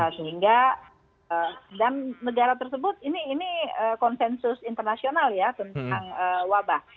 sehingga dan negara tersebut ini konsensus internasional ya tentang wabah